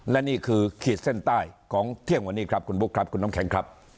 และนี่คือขีดเส้นใต้ของเที่ยงวันนี้ครับคุณบุ๊คครับคุณน้ำแข็งครับ